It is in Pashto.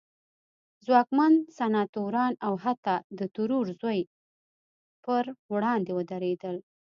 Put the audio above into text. ځواکمن سناتوران او حتی د ترور زوی پر وړاندې ودرېدل.